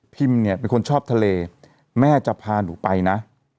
เนี่ยเป็นคนชอบทะเลแม่จะพาหนูไปนะ